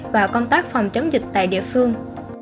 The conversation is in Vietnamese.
và công tác phòng chống dịch tại địa phương